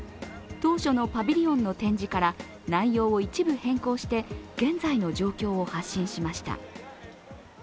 当初のパビリオンの展示から内容を一部変更して現在の状況を発信しました。